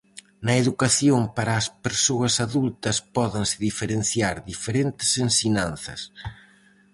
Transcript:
Na educación para as persoas adultas pódense diferenciar diferentes ensinanzas: